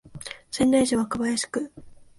仙台市若林区